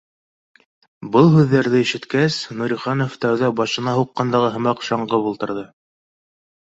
Был һүҙҙәрҙе ишеткәс, Нуриханов тәүҙә, башына һуҡ- ҡандағы һымаҡ, шаңғып ултырҙы